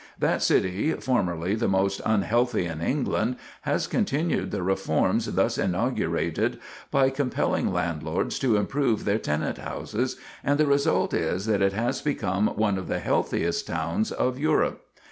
That city, formerly the most unhealthy in England, has continued the reforms thus inaugurated by compelling landlords to improve their tenant houses, and the result is that it has become one of the healthiest towns of Europe.